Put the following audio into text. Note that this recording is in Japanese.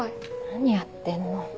何やってんの。